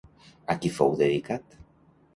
A qui fou dedicat?